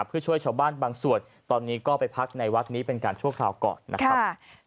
เพื่อช่วยชาวบ้านบางส่วนตอนนี้ก็ไปพักในวัดนี้เป็นการชั่วคราวก่อนนะครับ